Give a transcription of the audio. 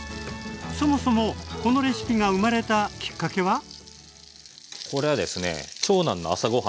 そもそもこのレシピが生まれたきっかけは？